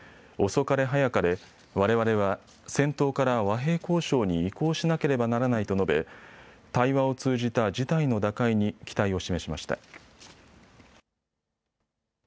遅かれ早かれ、われわれは戦闘から和平交渉に移行しなければならないと述べ対話を通じた事態の打開に期待を示しました。